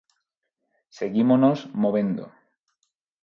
Seguímonos movendo.